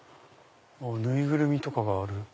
縫いぐるみとかがある。